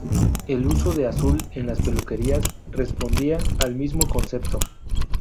El uso de azul en las peluquerías respondía al mismo concepto.